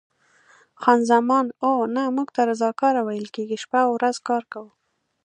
خان زمان: اوه، نه، موږ ته رضاکاره ویل کېږي، شپه او ورځ کار کوو.